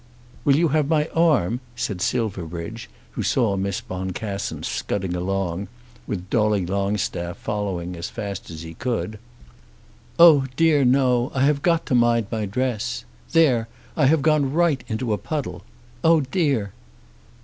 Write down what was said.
"Will you have my arm?" said Silverbridge, who saw Miss Boncassen scudding along, with Dolly Longstaff following as fast as he could. "Oh dear no. I have got to mind my dress. There; I have gone right into a puddle. Oh dear!"